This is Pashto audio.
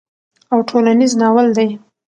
او ټولنيز ناول دی